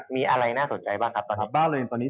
มีอะไรน่าสนใจบ้างครับตอนนี้